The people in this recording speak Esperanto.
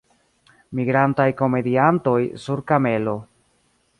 Migrantaj komediantoj sur kamelo.